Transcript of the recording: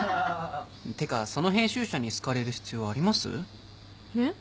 てかその編集者に好かれる必要あります？えっ？